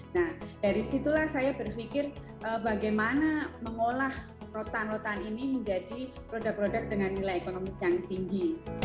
nah dari situlah saya berpikir bagaimana mengolah rotan rotan ini menjadi produk produk dengan nilai ekonomis yang tinggi